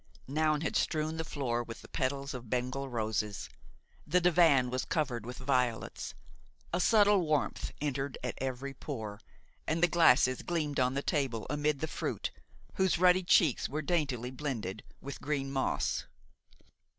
Noun had strewn the floor with the petals of Bengal roses, the divan was covered with violets, a subtle warmth entered at every pore, and the glasses gleamed on the table amid the fruit, whose ruddy cheeks were daintily blended with green moss.